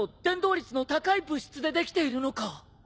伝導率の高い物質でできているのか？